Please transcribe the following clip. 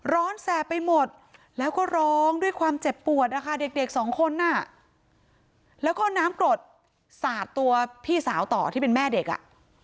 แสบไปหมดแล้วก็ร้องด้วยความเจ็บปวดนะคะเด็กสองคนอ่ะแล้วก็น้ำกรดสาดตัวพี่สาวต่อที่เป็นแม่เด็กอ่ะ